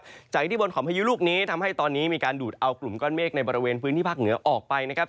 จากอิทธิพลของพายุลูกนี้ทำให้ตอนนี้มีการดูดเอากลุ่มก้อนเมฆในบริเวณพื้นที่ภาคเหนือออกไปนะครับ